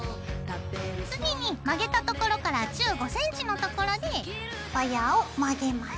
次に曲げたところから１５センチのところでワイヤーを曲げます。